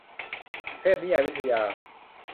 เทพนิยายวิทยา